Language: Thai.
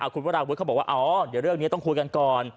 คุณวราวุฒิเขาบอกว่าอ๋อเดี๋ยวเรื่องนี้ต้องคุยกันก่อน